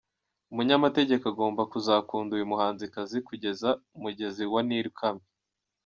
Umunyamategeko agomba kuzakunda uyu muhanzikazi kugeza umugezi wa Nil ukamye.